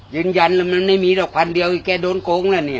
ยืนยันแล้วมันไม่มีหรอกพันเดียวอีกแกโดนโกงนั่นนี่